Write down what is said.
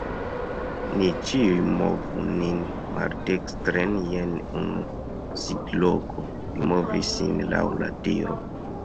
"Ni ĉiuj movu nin maldekstren je unu sidloko." Li movis sin laŭ la diro.